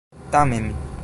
tamen